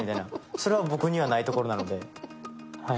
それは僕にはないところなのではい。